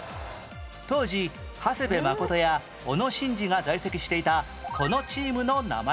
当時長谷部誠や小野伸二が在籍していたこのチームの名前は？